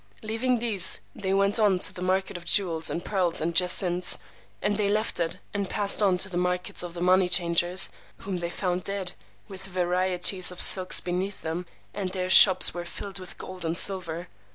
Leaving these, they went on to the market of jewels and pearls and jacinths; and they left it, and passed on to the market of the money changers, whom they found dead, with varieties of silks beneath them, and their shops were filled with gold and silver.